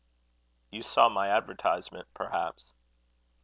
"You saw my advertisement, perhaps?"